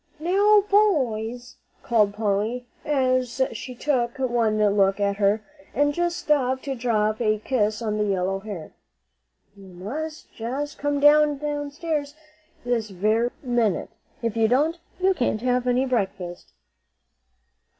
"Now, boys," called Polly, as she took one look at her, and just stopped to drop a kiss on the yellow hair, "you must just come downstairs this very minute. If you don't, you can't have any breakfast."